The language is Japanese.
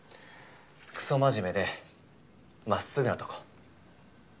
クソ真面目でまっすぐなとこ。